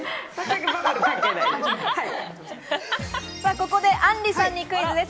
ここで、あんりさんにクイズです。